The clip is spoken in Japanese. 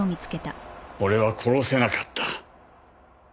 俺は殺せなかった。